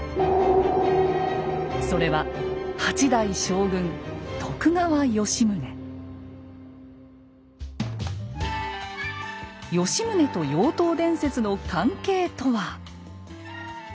それは吉宗と妖刀伝説の関係とは？